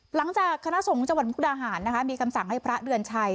หลังจากคณะสงฆ์จังหวัดมุกดาหารนะคะมีคำสั่งให้พระเดือนชัย